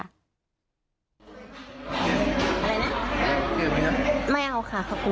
อะไรนะไม่เอาค่ะขอบคุณค่ะ